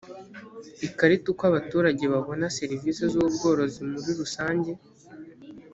ikarita uko abaturage babona serivisi z ubworozi muri rusange